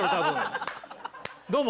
「どうも！